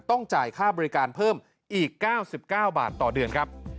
ต้องจ่ายค่าบริการเพิ่มอีก๙๙บาทต่อเดือนครับ